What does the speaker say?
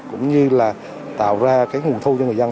cũng như là tạo ra cái nguồn thu cho người dân